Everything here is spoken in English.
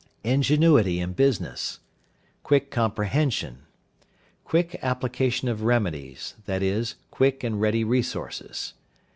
Ingenuity in business. Quick comprehension. Quick application of remedies, i.e., quick and ready resources.